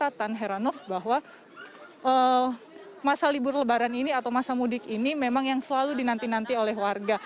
dan saya sangat heran bahwa masa libur lebaran ini atau masa mudik ini memang yang selalu dinanti nanti oleh warga